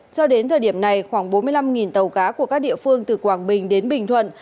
cho đến thời điểm này khoảng bốn mươi năm tàu cá của các địa phương từ quảng bình đến bình thuận